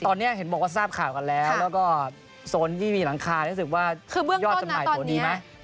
ตอนนี้เห็นบอกว่าทราบข่าวกันแล้วแล้วก็โซนที่มีหลังคารู้สึกว่ายอดจำหน่ายตัวดีไหม